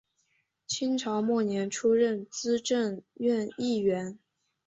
清朝末年出任资政院议员。